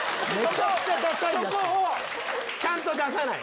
そこをちゃんと出さない！